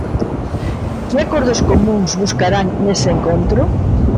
Que acordos comúns buscarán nese encontro?